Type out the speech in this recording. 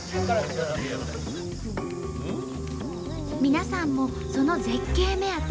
皆さんもその絶景目当て。